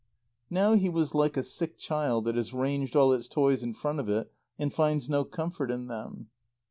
Now he was like a sick child that has ranged all its toys in front of it and finds no comfort in them.